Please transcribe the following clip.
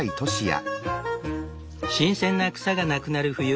新鮮な草がなくなる冬。